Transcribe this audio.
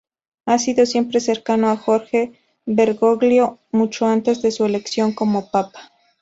Ha sido siempre cercano a Jorge Bergoglio, mucho antes de su elección como Papa.